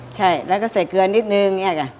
ใช่แล้วก็ใส่เกลือนิดหนึ่งเนี่ย